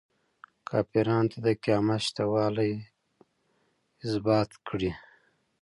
کافرانو ته د قیامت شته والی ازبات کړي.